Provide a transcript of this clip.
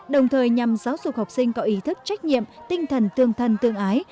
đồng thời nhằm giáo dục học sinh có ý thức trách nhiệm tinh thần tương thân tương ái